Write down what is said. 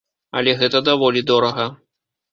Але гэта даволі дорага.